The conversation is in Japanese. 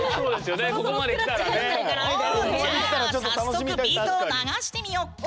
じゃあ早速ビートを流してみよっか！